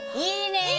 いいね！